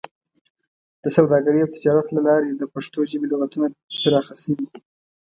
د سوداګرۍ او تجارت له لارې د پښتو ژبې لغتونه پراخه شوي دي.